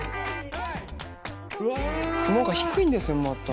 雲が低いんですよまた。